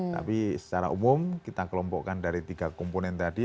tapi secara umum kita kelompokkan dari tiga komponen tadi